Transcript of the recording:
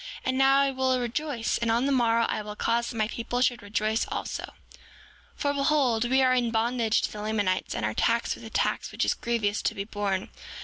And now, I will rejoice; and on the morrow I will cause that my people shall rejoice also. 7:15 For behold, we are in bondage to the Lamanites, and are taxed with a tax which is grievous to be borne.